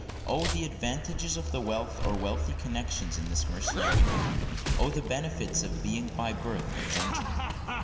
Oh! the advantages of wealth or wealthy connexions in this mercenary land!—oh! the benefits of being by birth a gentleman!